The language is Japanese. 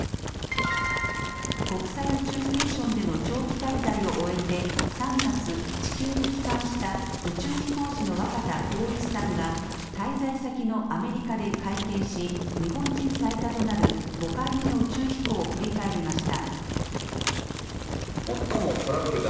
国際宇宙ステーションでの長期滞在を終えて３月、地球に帰還した宇宙飛行士の若田光一さんが滞在先のアメリカで会見し日本人最多となる５回目の宇宙飛行を振り返りました。